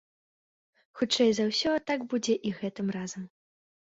Хутчэй за ўсё, так будзе і гэтым разам.